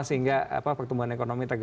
sehingga pertumbuhan ekonomi terketer